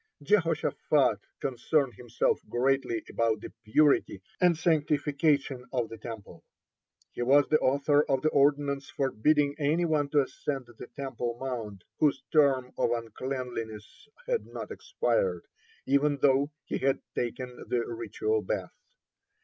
(28) Jehoshaphat concerned himself greatly about the purity and sanctification of the Temple. He was the author of the ordinance forbidding any one to ascend the Temple mount whose term of uncleanness had not expired, even though he had taken the ritual bath.